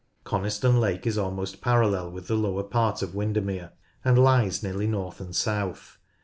Coniston Lake is almost parallel with the lower part of Windermere, and lies nearly north and south.